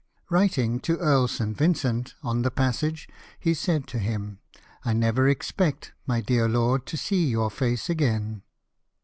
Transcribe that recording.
Writing to Earl St. Vincent on the passage, he said to him, " I never expect, my dear lord, to see your face again.